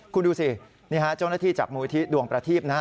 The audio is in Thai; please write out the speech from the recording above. คุณดูสินี่ฮะเจ้าหน้าที่จากมูลที่ดวงประทีพนะฮะ